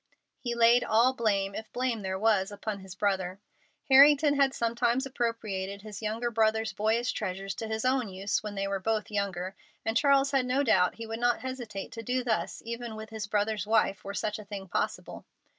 He laid all blame, if blame there was, upon his brother. Harrington had sometimes appropriated his younger brother's boyish treasures to his own use when they were both younger, and Charles had no doubt he would not hesitate to do thus even with his brother's wife, were such a thing possible.